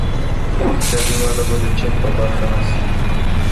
اقتصادي وده به د چین په برخه نه شي.